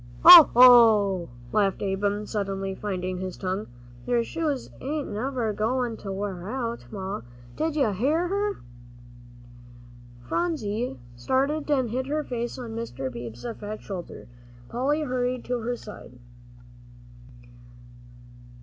"Hoh, hoh!" laughed Ab'm, suddenly finding his tongue, "your shoes ain't never goin' to wear out! Ma, did you hear her?" Phronsie started and hid her face on Mr. Beebe's fat shoulder. Polly hurried to her side.